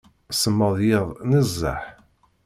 Semmeḍ yiḍ nezzeh.